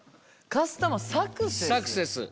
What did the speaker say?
カスタマーサクセス？